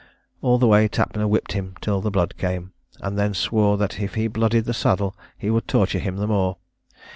All the way Tapner whipped him till the blood came; and then swore that if he blooded the saddle, he would torture him the more.